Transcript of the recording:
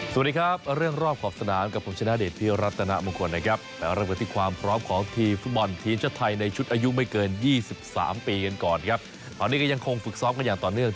สวัสดีครับเรื่องรอบขอบสนามรรทีแช่ไทยในชุดหาย